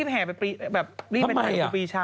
แฮปปี้